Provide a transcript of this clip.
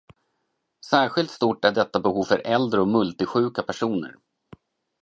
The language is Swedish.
Särskilt stort är detta behov för äldre och multisjuka personer.